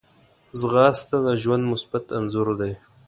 ځغاسته د ژوند مثبت انځور دی